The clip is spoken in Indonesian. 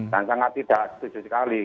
dan sangat tidak setuju sekali